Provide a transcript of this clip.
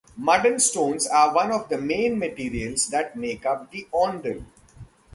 Mud and stones are one of the main materials that make up the Ondol.